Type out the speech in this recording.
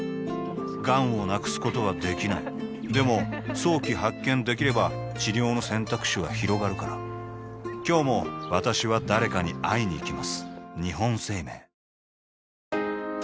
がんを無くすことはできないでも早期発見できれば治療の選択肢はひろがるから今日も私は誰かに会いにいきます